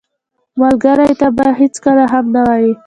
ملګری ته به هېڅکله هم نه وایې